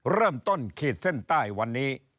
เริ่มต้นขีดเส้นใต้วันนี้